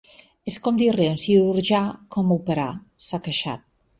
És com dir-li a un cirurgià com operar, s’ha queixat.